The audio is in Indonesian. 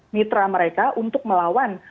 mitra mereka untuk melawan